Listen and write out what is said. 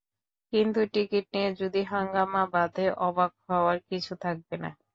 কিন্তু টিকিট নিয়ে যদি হাঙ্গামা বাধে, অবাক হওয়ার কিছু থাকবে না।